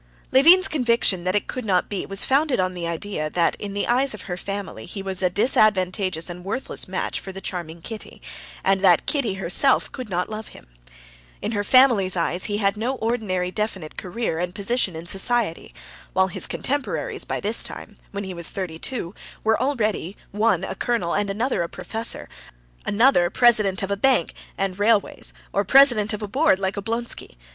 Levin's conviction that it could not be was founded on the idea that in the eyes of her family he was a disadvantageous and worthless match for the charming Kitty, and that Kitty herself could not love him. In her family's eyes he had no ordinary, definite career and position in society, while his contemporaries by this time, when he was thirty two, were already, one a colonel, and another a professor, another director of a bank and railways, or president of a board like Oblonsky.